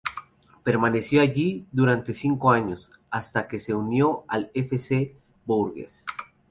Permaneció allí durante cinco años, hasta que se unió al F. C. Bourges.